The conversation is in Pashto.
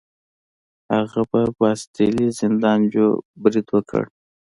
هغوی په باستیلي زندان برید وکړ.